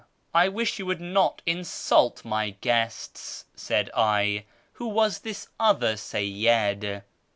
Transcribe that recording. " I wish you would not insult my guests," said I. " Who was this other Seyyid